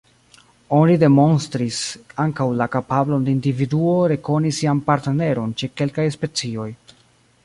Oni demonstris ankaŭ la kapablon de individuo rekoni sian partneron ĉe kelkaj specioj.